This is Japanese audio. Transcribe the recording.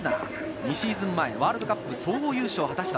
２シーズン前、ワールドカップ総合優勝を果たしました。